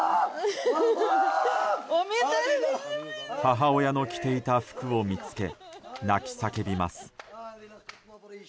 母親の着ていた服を見つけ泣き叫びます。